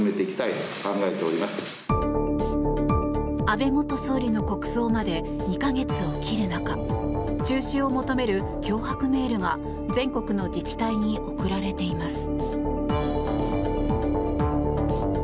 安倍元総理の国葬まで２か月を切る中中止を求める脅迫メールが全国の自治体に送られています。